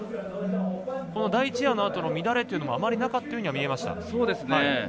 第１エアのあとの乱れというのもあまりなかったように見えました。